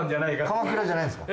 鎌倉じゃないんですか？